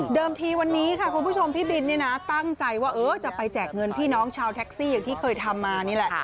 ทีวันนี้ค่ะคุณผู้ชมพี่บินเนี่ยนะตั้งใจว่าจะไปแจกเงินพี่น้องชาวแท็กซี่อย่างที่เคยทำมานี่แหละ